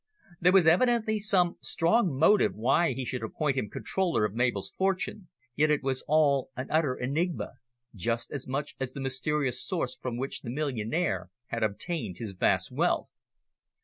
There was evidently some strong motive why he should appoint him controller of Mabel's fortune, yet it was all an utter enigma, just as much as the mysterious source from which the millionaire had obtained his vast wealth.